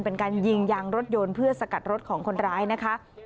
เป็นการยิงยางรถยนต์เพื่อสกัดรถของคนร้ายนะคะ